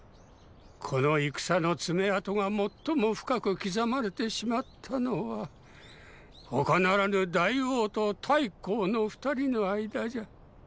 この戦の爪痕が最も深く刻まれてしまったのは他ならぬ大王と太后の二人の間じゃ。